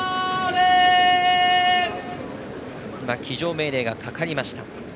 騎乗命令がかかりました。